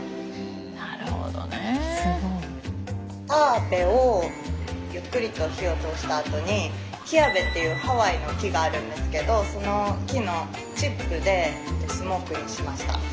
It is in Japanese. タアペをゆっくりと火を通したあとに「キアヴェ」っていうハワイの木があるんですけどその木のチップでスモークにしました。